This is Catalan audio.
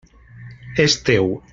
És teu.